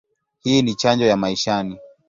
Hii ni chanjo ya maishani.